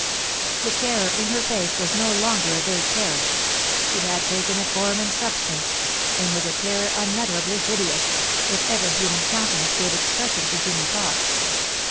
The terror in her face was no longer a vague terror. It had taken a form and substance, and was a terror unutterably hideous, if ever human countenance gave expression to human thought.